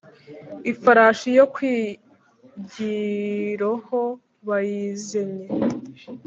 ifarashi yo kwigiroho bayizenye